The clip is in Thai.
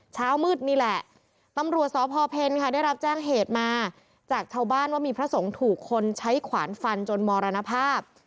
เช้ามืดนี่แหละตำรวจสพเพลค่ะได้รับแจ้งเหตุมาจากชาวบ้านว่ามีพระสงฆ์ถูกคนใช้ขวานฟันจนมรณภาพ